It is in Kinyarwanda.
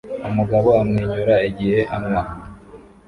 Umugabo amwenyura igihe anywa